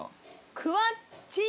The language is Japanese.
「くわっちー